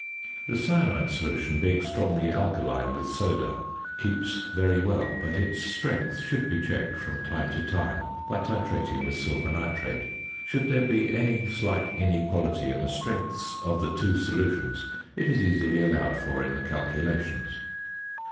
The cyanide solution, being strongly alkaline with soda, keeps very well; but its strength should be checked from time to time by titrating with silver nitrate; should there be any slight inequality in the strengths of the two solutions it is easily allowed for in the calculations.